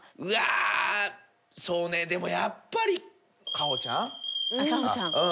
うわーそうねでもやっぱり花穂ちゃん。